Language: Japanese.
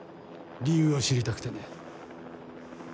理由を知りたくてね。